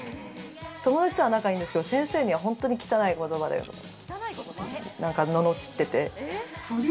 友達とは仲いいんですけど、先生には本当に汚い言葉で罵ってて。